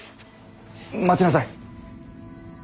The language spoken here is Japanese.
待ちなさい。